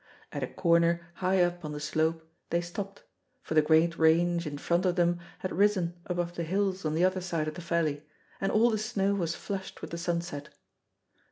At a corner high up on the slope they stopped, for the great range in front of them had risen above the hills on the other side of the valley, and all the snow was flushed with the sunset.